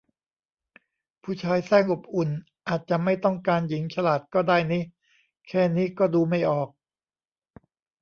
ผู้ชายแสร้งอบอุ่น อาจจะไม่ต้องการหญิงฉลาดก็ได้นิ แค่นี้ก็ดูไม่ออก